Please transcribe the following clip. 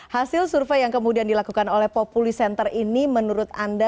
hasil survei yang kemudian dilakukan oleh populi center ini menurut anda